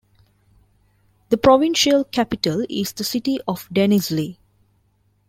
The provincial capital is the city of Denizli.